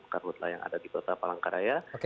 karhutlah yang ada di kota palangkaraya